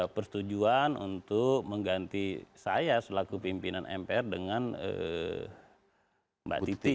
persetujuan untuk mengganti saya selaku pimpinan mpr dengan mbak titi